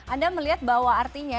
anda melihat bahwa artinya